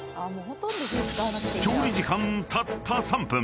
［調理時間たった３分］